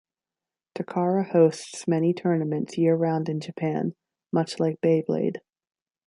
Takara hosts many tournaments year round in Japan, much like Beyblade.